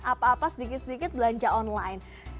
apa apa sedikit sedikit belanja online